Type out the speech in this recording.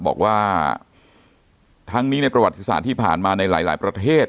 บอกว่าทั้งนี้ในประวัติศาสตร์ที่ผ่านมาในหลายประเทศ